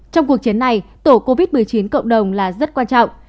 trong cuộc chiến này tổ covid một mươi chín cộng đồng là rất quan trọng